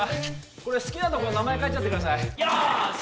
これ好きなところに名前書いちゃってくださいよし！